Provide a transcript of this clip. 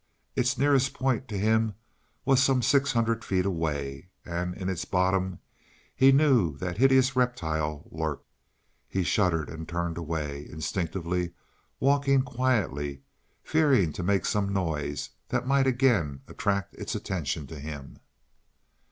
Its nearest point to him was some six hundred feet away; and in its bottom he knew that hideous reptile lurked. He shuddered and turned away, instinctively walking quietly, fearing to make some noise that might again attract its attention to him.